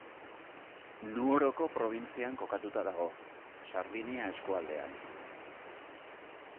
Nuoroko probintzian kokatuta dago, Sardinia eskualdean.